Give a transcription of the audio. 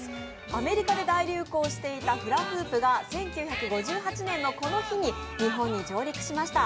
アメリカで大流行していたフラフープが１９５８年のこの日に日本に上陸しました。